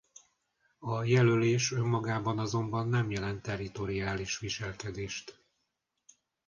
A jelölés önmagában azonban nem jelent territoriális viselkedést.